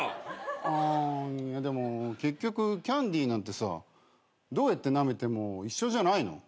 あでも結局キャンディーなんてさどうやってなめても一緒じゃないの？